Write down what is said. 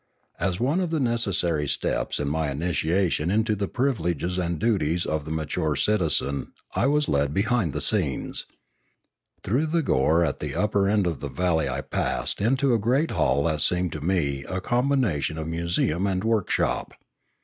As one of the necessary steps in my initiation into the privileges and duties of the mature citizen I was led behind the scenes. Through the gorge at the upper end of the valley I passed into a great hall that seemed to me a combination of a museum and workshop.